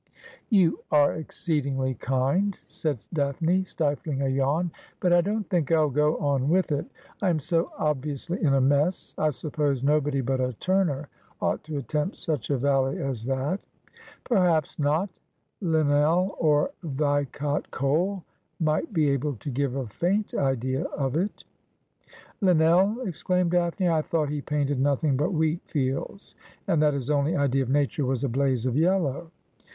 'You are exceedingly kind,' said Daphne, stifling a yawn, ' but I don't think I'll go on with it. I am so obviously in a mess ; I suppose nobody but a Turner ought to attempt such a valley as that.' ' Perhaps not. Linnell or Vicat Cole might be able to give a faint idea of it.' ' Linnell !' exclaimed Daphne. ' I thought he painted nothing but wheat fields, and that his only idea of Nature was a blaze of yellow.'